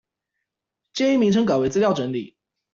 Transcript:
建議名稱改為資料整理